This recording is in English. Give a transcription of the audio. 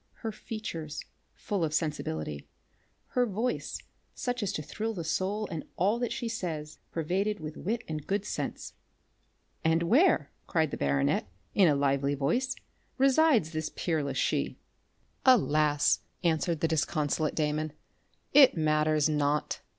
Her features, full of sensibility, her voice such as to thrill the soul and all she says, pervaded with wit and good sense." "And where," cried the baronet, in a lively tone, "resides this peerless she?" "Alas," answered the disconsolate Damon, "it matters not.